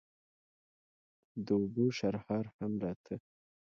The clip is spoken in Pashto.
د اوبو شرهار هم راته.